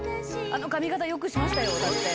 あの髪形、よくしましたよ、だって。